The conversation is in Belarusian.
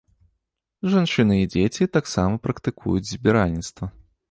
Жанчыны і дзеці таксама практыкуюць збіральніцтва.